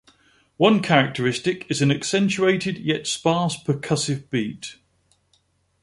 One characteristic is an accentuated, yet sparse percussive beat.